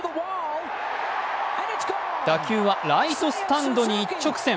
打球はライトスタンドに一直線。